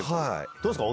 どうですか？